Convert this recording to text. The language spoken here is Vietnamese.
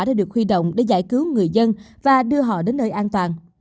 đã được huy động để giải cứu người dân và đưa họ đến nơi an toàn